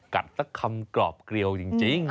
สักคำกรอบเกลียวจริง